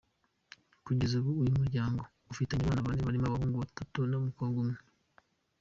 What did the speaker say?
Kugeza ubu uyu muryango ufitanye abana bane barimo abahungu batatu n’umukobwa umwe.